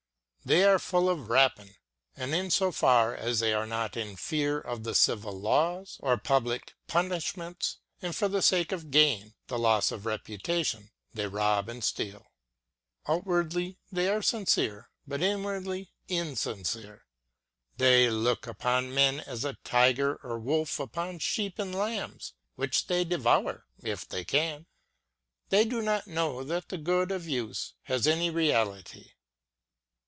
These are full of rapine ; and in so far as they are not in fear of the civil laws, or public punishments, and, for the sake of gain, the loss of reputation, they rob and steal. Outwardly they are sincere ; but inwardly insincere. They look upon men as a tiger or wolf upon sheep and lambs, which they devour if they can. They do not know that the good of use has any reality.